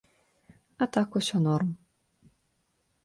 А так усё норм.